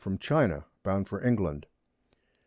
from China, bound for England.